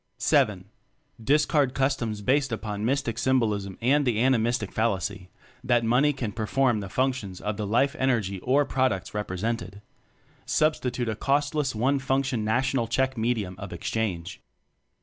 (VII) Discard customs based upon mystic symbolism and the animistic fallacy that "money" can perform the functions of the life energy or pro ducts "represented"; Substitute a costless one function national check medium of exchange.